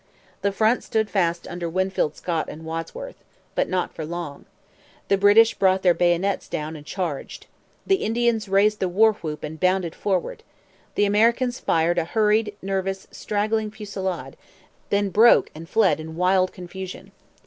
The front stood fast under Winfield Scott and Wadsworth. But not for long. The British brought their bayonets down and charged. The Indians raised the war whoop and bounded forward. The Americans fired a hurried, nervous, straggling fusillade; then broke and fled in wild confusion.